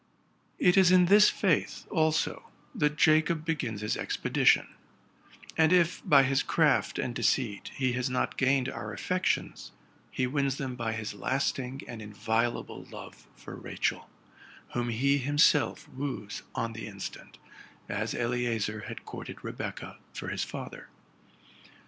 It is in this faith also that Jacob begins his expedition ; and if, by his craft and deceit, he has not gained our affec tions, he wins them by bis lasting and inviolable love for Rachel, whom he himself wooes on the instant, as Eleazar had courted Rebecca for his father.